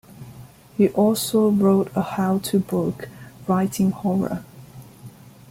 He also wrote a how-to book, "Writing Horror".